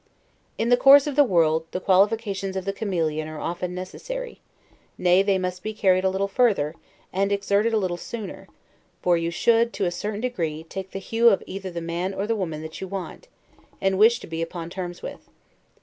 In the course of the world, the qualifications of the chameleon are often necessary; nay, they must be carried a little further, and exerted a little sooner; for you should, to a certain degree, take the hue of either the man or the woman that you want, and wish to be upon terms with.